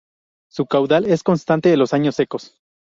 Su caudal es constante los años secos.